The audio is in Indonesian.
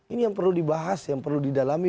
ini yang perlu dibahas yang perlu didalami